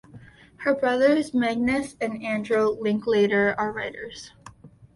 Her brothers Magnus and Andro Linklater are writers.